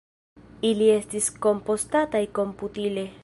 Ili estis kompostataj komputile.